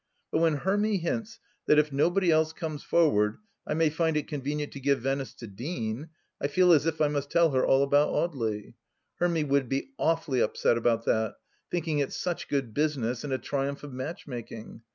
But when Hermy hints that if nobody else comes forward, I may find it convenient to give Venice to Deane, I feel as if I must tell her all about Audely. Hermy would be awfully upset about that, thinking it such good business, and a triumph of match making